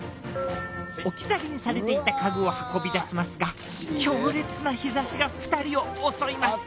置き去りにされていた家具を運び出しますが強烈な日ざしが２人を襲います。